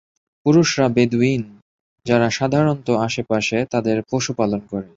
পুরুষরা বেদুইন, যারা সাধারণত আশেপাশে তাদের পশু পালন করে।